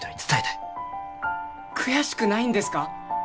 悔しくないんですか？